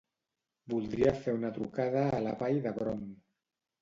Voldria fer una trucada a Vall d'Hebron.